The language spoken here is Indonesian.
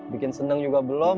bikin seneng juga belum